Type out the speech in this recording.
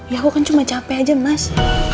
ya aku kan cuma capek aja mas